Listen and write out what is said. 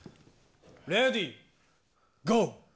レディーゴー。